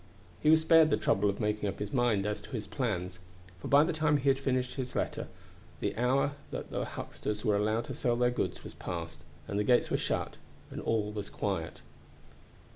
He was spared the trouble of making up his mind as to his plans, for by the time he had finished his letter the hour that the hucksters were allowed to sell their goods was passed, and the gates were shut and all was quiet.